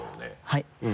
はい。